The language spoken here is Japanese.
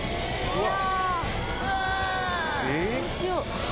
うわ！